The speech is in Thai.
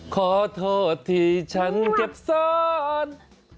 ขอโทษที่ฉันเก็บซ่อน